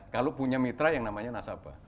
kalau punya mitra yang namanya nasabah